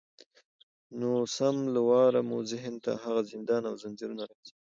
نو سم له واره مو ذهن ته هغه زندان او زنځیرونه راځي